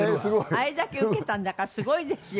あれだけウケたんだからすごいですよ。